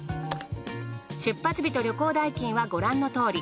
出発日と旅行代金はご覧のとおり。